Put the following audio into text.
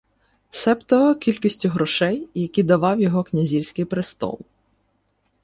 Себто кількістю грошей, які давав його князівський престол